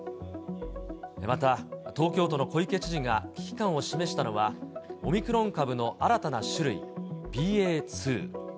また東京都の小池知事が危機感を示したのは、オミクロン株の新たな種類、ＢＡ．２。